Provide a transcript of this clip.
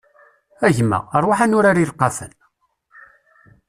A gma, ṛwaḥ ad nurar ileqqafen!